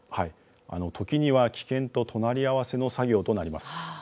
時には、危険と隣り合わせの作業となります。